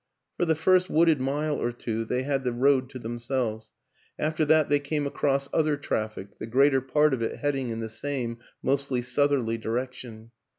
For the first wooded mile or two they had the road to themselves; after that they came across other traffic, the greater part of it heading in the same, mostly southerly, direction.